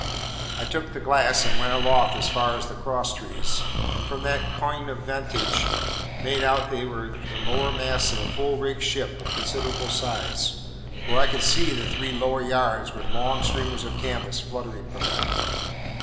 I took the glass, and went aloft as far as the cross trees, and from that "coign of 'vantage" made out that they were the lower masts of a full rigged ship of considerable size; for I could see the three lower yards with long streamers of canvas fluttering from them.